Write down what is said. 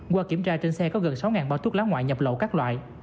qua kiểm tra trên xe có gần sáu bao thuốc lá ngoại nhập lậu các loại